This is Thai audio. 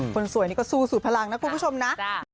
คนสวยนี่ก็สู้สุดพลังนะคุณผู้ชมนะ